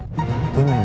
acil jangan kemana mana